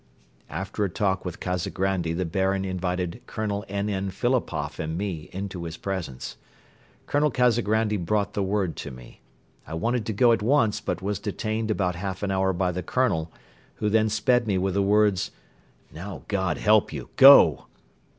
After a talk with Kazagrandi the Baron invited Colonel N. N. Philipoff and me into his presence. Colonel Kazagrandi brought the word to me. I wanted to go at once but was detained about half an hour by the Colonel, who then sped me with the words: "Now God help you! Go!"